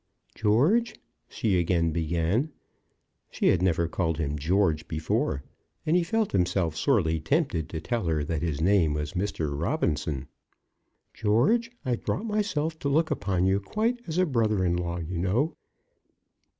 "George," she again began, she had never called him "George" before, and he felt himself sorely tempted to tell her that his name was Mr. Robinson. "George, I've brought myself to look upon you quite as a brother in law, you know."